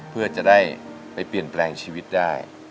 เพื่อจะได้ไปเปลี่ยนแปลงชีวิตได้